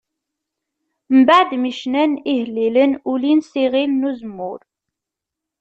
Mbeɛd mi cnan ihellilen ulin s iɣil n Uzemmur.